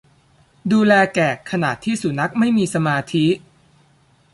ดูแลแกะขณะที่สุนัขไม่มีสมาธิ